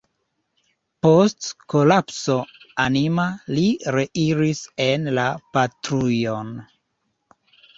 Post kolapso anima li reiris en la patrujon.